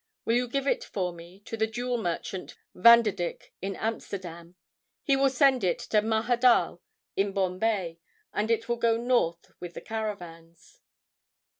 Will you give it for me to the jewel merchant Vanderdick, in Amsterdam? He will send it to Mahadal in Bombay, and it will go north with the caravans."